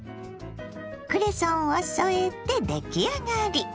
クレソンを添えて出来上がり。